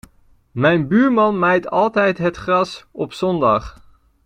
Mijn buurman maait altijd het gras op zondag.